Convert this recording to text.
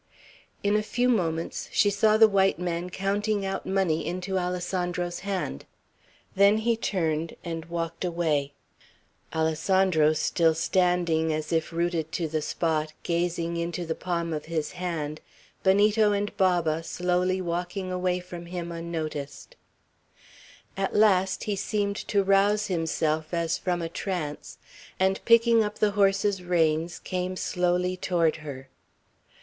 In a few moments she saw the white man counting out money into Alessandro's hand; then he turned and walked away, Alessandro still standing as if rooted to the spot, gazing into the palm of his hand, Benito and Baba slowly walking away from him unnoticed; at last he seemed to rouse himself as from a trance, and picking up the horses' reins, came slowly toward her.